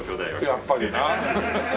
やっぱりな。